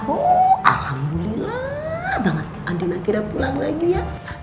oh alhamdulillah banget andi nakira pulang lagi ya